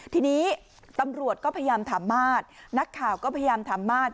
ทีนี้ตำรวจก็พยายามถามมาตรนักข่าวก็พยายามถามมาส